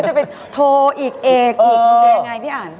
มันจะไปโทรอีกอีกอีกโอเคยังไงพี่อ่าน